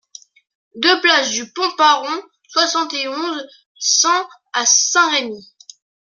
deux place du Pont-Paron, soixante et onze, cent à Saint-Rémy